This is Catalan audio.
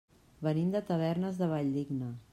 Venim de Tavernes de la Valldigna.